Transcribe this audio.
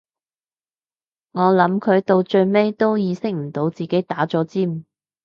我諗佢到最尾都意識唔到自己打咗尖